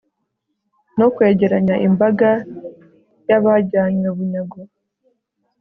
no kwegeranya imbaga y'abajyanywe bunyago